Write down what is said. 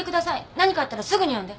何かあったらすぐに呼んで。